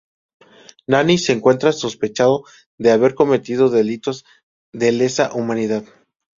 Nani se encuentra sospechado de haber cometido delitos de lesa humanidad.